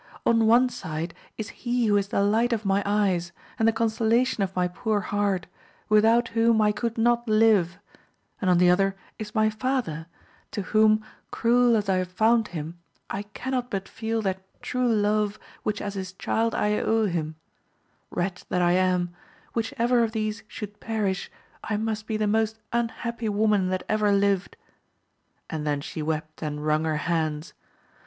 On one side is he who is the light of my eyes, and the consolation of my poor heart, without whom I could not live, and on the other is my father, to whom, cruel as I have found him, I cannot hut feel that true love which as his child I owe hiuL Wretch that I am, whichever of these should perish, I must he the most unhappy woman that ever lived! and then she wept and wrung her hands.